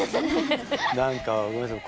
何かごめんなさい